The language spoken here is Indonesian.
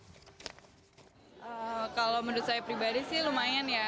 kalau menurut saya pribadi sih lumayan ya